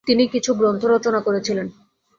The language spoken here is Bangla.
তিনি কিছু গ্রন্থ রচনা করেছিলেন।